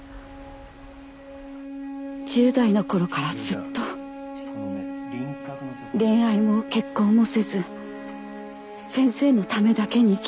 １０代の頃からずっと恋愛も結婚もせず先生のためだけに生きて。